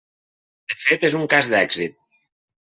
De fet és un cas d'èxit.